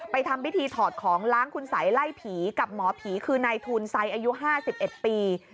ทำพิธีถอดของล้างคุณสัยไล่ผีกับหมอผีคือนายทูลไซดอายุ๕๑ปี